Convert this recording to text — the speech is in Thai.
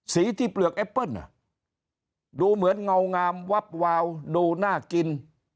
ที่เปลือกแอปเปิ้ลดูเหมือนเงางามวับวาวดูน่ากิน